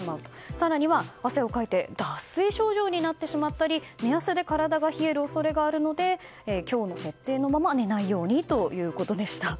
更には汗をかいて脱水症状になってしまったり寝汗で体が冷える恐れがあるので強の設定のまま寝ないようにということでした。